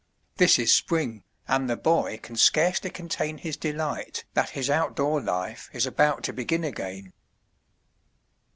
This is spring, and the boy can scarcely contain his delight that his out door life is about to begin again.